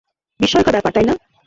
বিস্ময়কর ব্যাপার, তাই না?